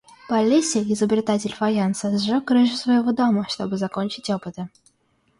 Паллиси, изобретатель фаянса, сжег крышу своего дома, чтобы закончить опыты.